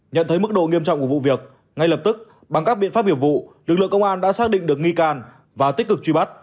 nhận thấy mức độ nghiêm trọng của vụ việc ngay lập tức bằng các biện pháp nghiệp vụ lực lượng công an đã xác định được nghi can và tích cực truy bắt